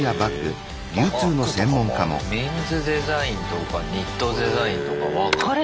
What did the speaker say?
メンズデザインとかニットデザインとか分かれてんだ。